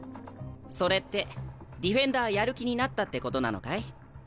それってディフェンダーやる気になったってことなのかい？